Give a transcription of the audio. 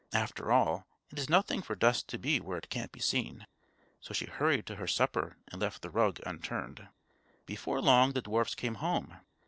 After all, it is nothing for dust to be where it can't be seen!" So she hurried to her supper and left the rug unturned. Before long the dwarfs came home.